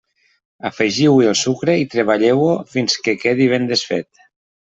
Afegiu-hi el sucre i treballeu-ho fins que quedi ben desfet.